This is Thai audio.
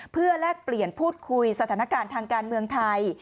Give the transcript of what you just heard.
เพื่อแลกเปลี่ยนพูดคุยสถานการณ์ทางการเมืองไทย